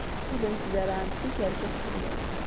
Qqlent zerrɛent tikerkas fell-as.